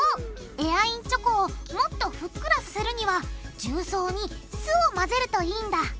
エアインチョコをもっとふっくらさせるには重曹に酢を混ぜるといいんだ。